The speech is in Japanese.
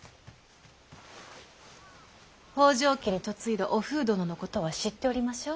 北条家に嫁いだおふう殿のことは知っておりましょう？